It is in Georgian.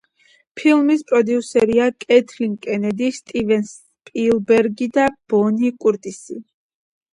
ფილმის პროდიუსერია კეთლინ კენედი, სტივენ სპილბერგი და ბონი კურტისი.